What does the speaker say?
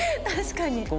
確かに。